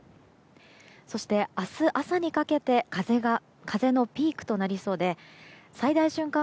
そして、明日朝にかけて風のピークとなりそうで最大瞬間